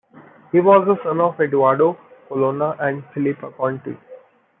He was the son of Edoardo Colonna and Filippa Conti.